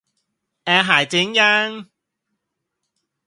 แอร์หายเจ๊งยัง